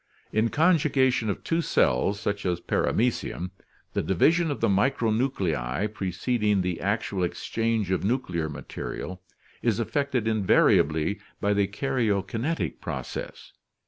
In conjugation of two cells such as Paramecium, the division of the micronuclei preceding the actual exchange of nuclear material is effected invariably by the karyokinetic process.